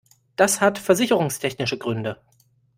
Das hat versicherungstechnische Gründe.